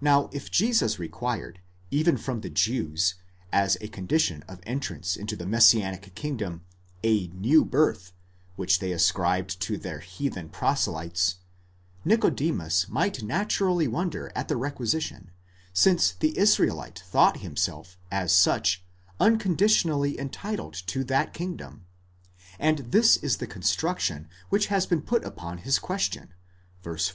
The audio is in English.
Now, if Jesus required, even from the Jews, as a condition of entrance into the messianic kingdom, the zew dirth which they ascribed to their heathen proselytes, Nicodemus might naturally wonder at the requisi tion, since the Israelite thought himself, as such, unconditionally entitled to that kingdom: and this is the construction which has been put upon his question v. 4.